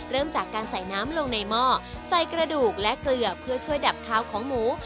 เริ่มจากการใส่น้ำลงในหม้อใส่กระดูกและเกลือเพื่อช่วยดับขาวของหมู